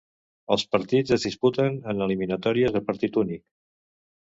Els partits es disputen en eliminatòries a partit únic.